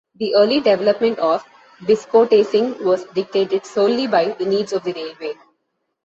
The early development of Biscotasing was dictated solely by the needs of the railway.